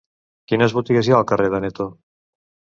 Quines botigues hi ha al carrer d'Aneto?